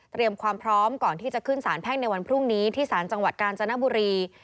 ความพร้อมก่อนที่จะขึ้นสารแพ่งในวันพรุ่งนี้ที่สารจังหวัดกาญจนบุรี